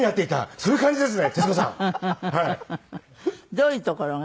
どういうところが？